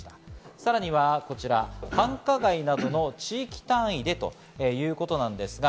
さらには繁華街などの地域単位でということです。